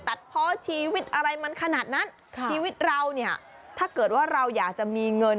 ตัดเพราะชีวิตอะไรมันขนาดนั้นชีวิตเราเนี่ยถ้าเกิดว่าเราอยากจะมีเงิน